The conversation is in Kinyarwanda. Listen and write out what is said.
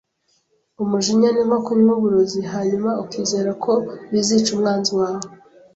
Umujinya ni nko kunywa uburozi, hanyuma ukizera ko bizica umwanzi wawe.